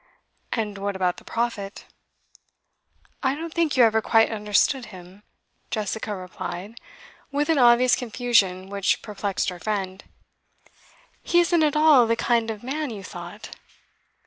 'And what about the Prophet?' 'I don't think you ever quite understood him,' Jessica replied, with an obvious confusion which perplexed her friend. 'He isn't at all the kind of man you thought.